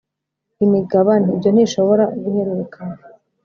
imigabane Ibyo ntibishobora guhererekanywa